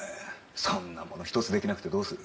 そんなもの一つできなくてどうする？